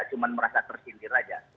cuma merasa tersindir saja